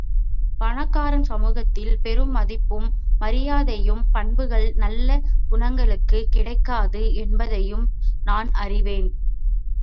பணக்காரன் சமூகத்தில் பெறும் மதிப்பும் மரியாதையும் பண்புள்ள நல்ல குணாளனுக்குக் கிடைக்காது என்பதையும் நான் அறிவேன்.